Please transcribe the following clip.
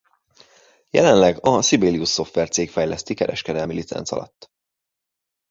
Jelenleg a Sibelius Software cég fejleszti kereskedelmi licenc alatt.